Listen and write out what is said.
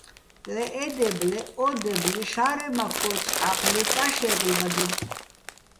ლე ე დებ, ლე ო დებ, ლე შა́რემაქ ქო́ჯო̆ ჰ̦ა́ჴ, ლე წა შე́გლბადებ.